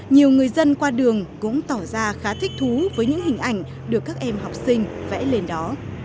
nhiều người dân qua đường cũng tỏ ra khá thích thú với những hình ảnh được các em học sinh vẽ lên đó